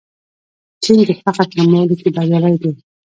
چین د فقر کمولو کې بریالی دی.